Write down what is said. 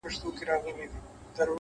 مثبت ذهن د امکاناتو په لټه وي’